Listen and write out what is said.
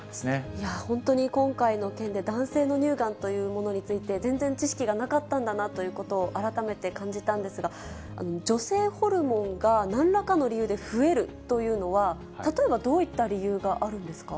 いや、本当に今回の件で、男性の乳がんというものについて、全然知識がなかったんだなということを改めて感じたんですが、女性ホルモンがなんらかの理由で増えるというのは、例えばどういった理由があるんですか。